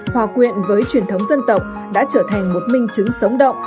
hòa quyện với truyền thống dân tộc đã trở thành một minh chứng sống động